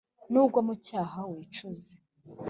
nugwa mu cyaha, wicuze!